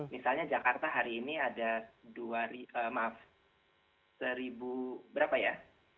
misalnya jakarta hari ini ada dua ribu atau berapa ya